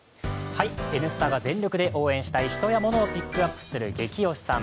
「Ｎスタ」が全力で応援したい人やモノをピックアップするゲキ推しさん。